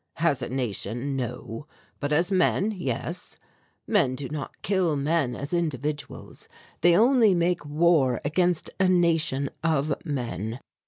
"As a nation, no, but as men, yes. Men do not kill men as individuals, they only make war against a nation of men.